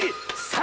３